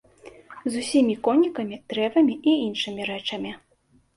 З усімі конікамі, дрэвамі і іншымі рэчамі.